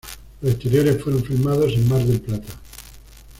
Los exteriores fueron filmados en Mar del Plata.